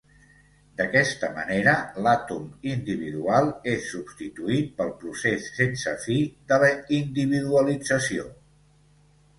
D'aquesta manera, l'àtom individual és substituït pel procés sense fi de la individualització.